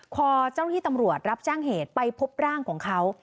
พอเจ้าหน้าที่ตำรวจรับแจ้งเหตุไปพบร่างของเขา